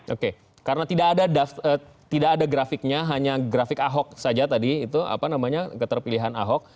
oke karena tidak ada grafiknya hanya grafik ahok saja tadi itu apa namanya keterpilihan ahok